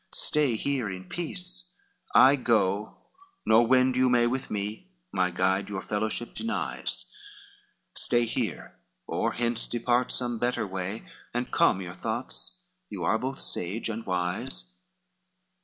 LV "Stay here in peace, I go, nor wend you may With me, my guide your fellowship denies, Stay here or hence depart some better way, And calm your thoughts, you are both sage and wise."